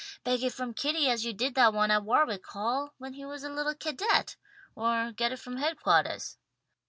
Beg it from Kitty as you did that one at Warwick Hall, when he was a little cadet, or get it from headquartahs?"